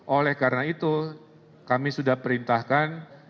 oleh karena itu kami sudah perintahkan